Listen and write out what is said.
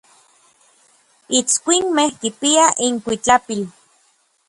Itskuinmej kipiaj inkuitlapil.